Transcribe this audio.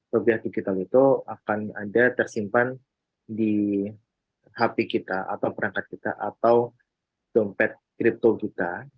rupiah digital itu akan ada tersimpan di hp kita atau perangkat kita atau dompet kripto juta